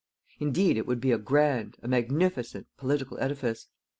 Indeed it would be a grand, a magnificent, political edifice.